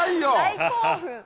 大興奮！